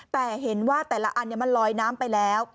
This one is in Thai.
แต่เห็นว่าแต่ละอันมันลอยน้ำไปแล้ว